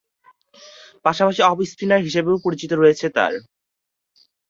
পাশাপাশি অফ-স্পিনার হিসেবেও পরিচিতি রয়েছে তার।